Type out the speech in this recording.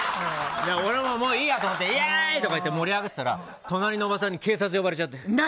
俺ももう、いいやと思ってイエーイとか盛り上がってたら隣のおばさんに警察呼ばれた。